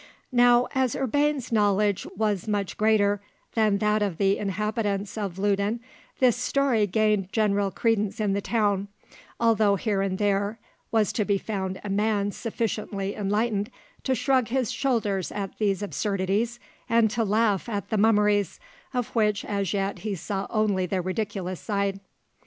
Now, as Urbain's knowledge was much greater than that of the inhabitants of Loudun, this story gained general credence in the town, although here and there was to be found a man sufficiently enlightened to shrug his shoulders at these absurdities, and to laugh at the mummeries, of which as yet he saw only the ridiculous side.